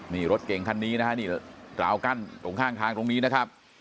นี่รถเก่งคันนี้นะฮะนี่ราวกั้นตรงข้างทางตรงนี้นะครับ